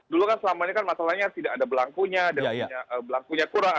dulu kan selama ini kan masalahnya tidak ada belangkunya dan belangkunya kurang